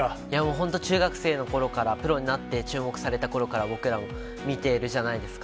本当、中学生のころからプロになって注目されたころから、僕らも見ているじゃないですか。